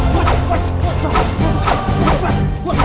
mereka tidak akan pingsirkan diri